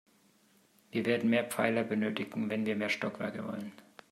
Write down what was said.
Wir werden mehr Pfeiler benötigen, wenn wir mehr Stockwerke wollen.